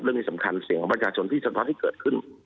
เรื่องสำคัญเสียงประกาศชนที่สะท้อนให้เกิดขึ้น